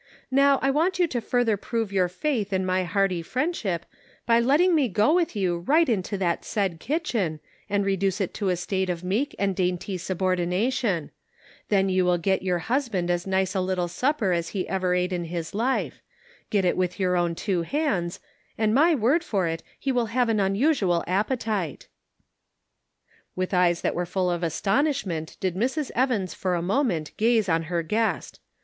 Now I want you to further prove your faith in my hearty friendship, by letting me go with you right into that said kitchen, and reduce it to a state of meek and dainty subordination ; then you will get for Serving Christ in the Kitchen. 311 your husband as nice a little supper as he ever ate in his life ; get it with your own two hands, and my word for it, he will have an unusual appetite." With eyes that were full of astonishment did Mrs. Evans for a moment gaze on her guest.